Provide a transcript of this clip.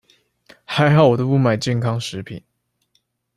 還好我都不買健康食品